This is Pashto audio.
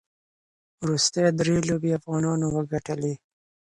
وروستۍ درې لوبې افغانانو وګټلې.